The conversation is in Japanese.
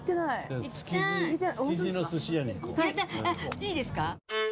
いいですか？